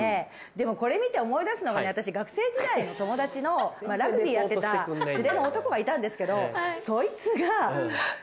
でもこれ見て思い出すのはね私学生時代の友達のラグビーやってた連れの男がいたんですけどそいつが。